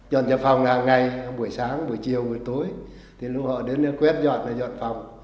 giọt vào phòng hàng ngày buổi sáng buổi chiều buổi tối thì lúc họ đến quét giọt là giọt phòng